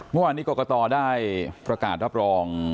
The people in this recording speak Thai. เมื่อวานนี้กรกตได้ประกาศรับรอง